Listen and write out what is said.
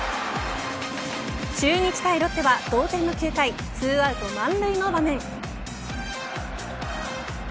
中日対ロッテは同点の９回２アウト満塁の場面。